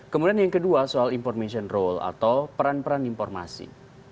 kemudian yang kedua soal information role atau peran peran informasi